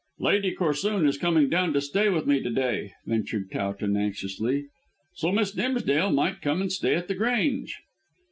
"Lady Corsoon is coming down to stay with me to day," ventured Towton anxiously, "so Miss Dimsdale might come and stay at The Grange."